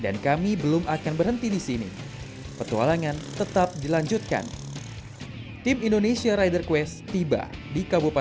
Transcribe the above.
nah kita akan mencoba